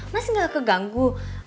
mas gak keganggu